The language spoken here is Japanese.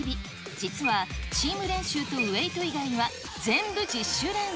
実はチーム練習とウエイト以外には全部自主練。